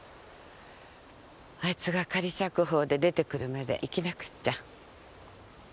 あいつが仮釈放で出てくるまで生きなくっちゃ。